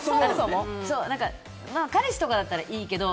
彼氏とかだったらいいけど。